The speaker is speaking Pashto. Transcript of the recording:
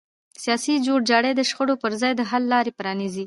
سیاسي جوړجاړی د شخړو پر ځای د حل لاره پرانیزي